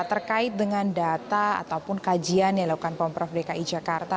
terkait dengan data ataupun kajian yang dilakukan pemprov dki jakarta